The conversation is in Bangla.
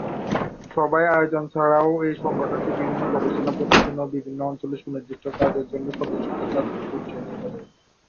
সভার আয়োজন ছাড়াও এই সংগঠনটি বিভিন্ন গবেষণা প্রতিবেদন ও বিভিন্ন অঞ্চলে সুনির্দিষ্ট কাজে এর সদস্যদের কাজ করতে উৎসাহী করে।